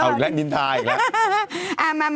อ้าวแล้วนินทาอีกแล้ว